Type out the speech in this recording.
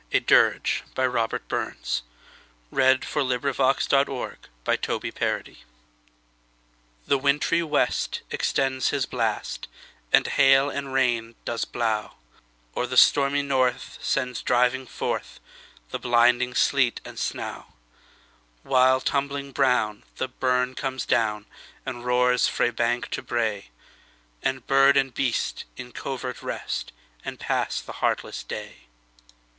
Poems and Songs.The Harvard Classics. 1909–14. 1781 15 . Winter: A Dirge THE WINTRY west extends his blast, And hail and rain does blaw; Or the stormy north sends driving forthThe blinding sleet and snaw:While, tumbling brown, the burn comes down, And roars frae bank to brae; And bird and beast in covert rest, And pass the heartless day.